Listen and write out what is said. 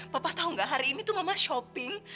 papa tau gak hari ini tuh mama shopping